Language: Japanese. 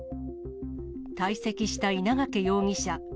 退席した稲掛容疑者。